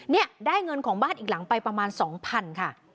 เนี่ยได้เงินของบ้านอีกหลังไปประมาณ๒๐๐๐ค่ะ